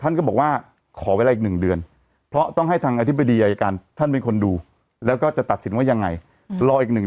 นี้คือคำถามสร้างสรรค์